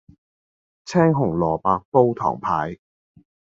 青紅蘿蔔煲唐排